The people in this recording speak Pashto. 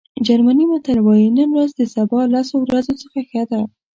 جرمني متل وایي نن ورځ د سبا لسو ورځو څخه ښه ده.